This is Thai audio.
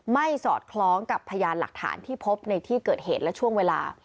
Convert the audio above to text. สอดคล้องกับพยานหลักฐานที่พบในที่เกิดเหตุและช่วงเวลา